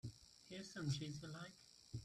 Here's some cheese you like.